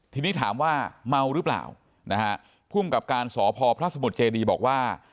ทีนี้ถามว่าเมาหรือเปล่านะฮะภูมิกับการสพพระสมุทรเจดีบอกว่า